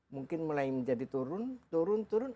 mungkin mulai menjadi turun turun turun